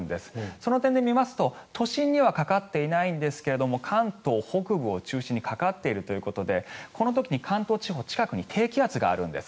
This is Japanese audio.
その点で見ますと都心にはかかっていないんですが関東北部を中心にかかっているということでこの時に関東地方近くに低気圧があるんです。